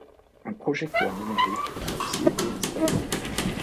Un projecteur numérique a aussi été installé.